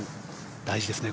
大事ですね